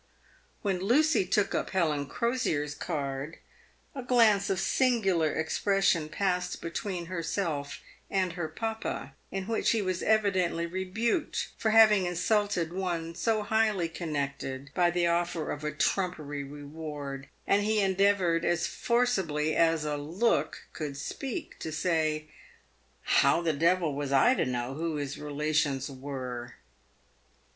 "When Lucy took 2b 370 , TAVED WITH GOLD. up Helen Crosier' s card, a glance of singular expression passed be tween herself and her papa, in which he was evidently rebuked for having insulted one so highly connected by the offer of a trumpery reward, and he endeavoured, as forcibly as " a look" could speak, to say, " How the devil was I to know who his relations were."